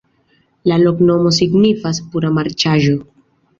La loknomo signifas: pura-marĉaĵo.